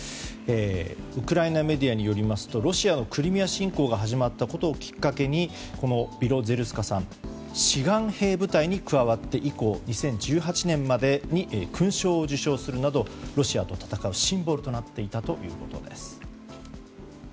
ウクライナのメディアによりますとロシアのクリミア侵攻が始まったことをきっかけにビロゼルスカさんは志願兵部隊に加わって以降２０１８年までに勲章を受章するなどロシアと戦うシンボルになっていたということです。